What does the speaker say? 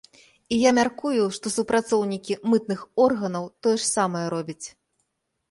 І я мяркую, што супрацоўнікі мытных органаў тое ж самае робяць.